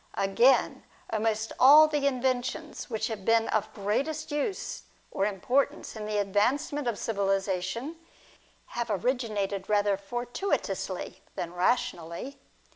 Again, almost all the inventions which have been of greatest use or importance in the advancement of civilisa tion have originated rather fortuitously than rationally.